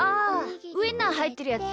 ウインナーはいってるやつ。